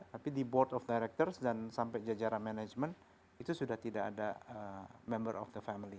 tapi di board of directors dan sampai jajaran manajemen itu sudah tidak ada member of the family